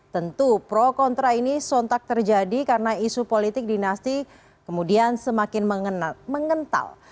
tentu pro kontra ini sontak terjadi karena isu politik dinasti kemudian semakin mengental